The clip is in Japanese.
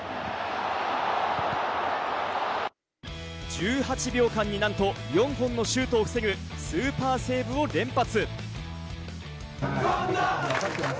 １８秒間になんと４本のシュートを防ぐスーパーセーブを連発。